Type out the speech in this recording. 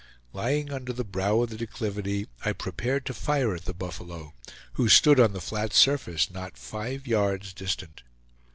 Lying under the brow of the declivity, I prepared to fire at the buffalo, who stood on the flat surface about not five yards distant.